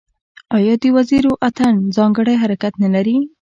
آیا د وزیرو اتن ځانګړی حرکت نلري؟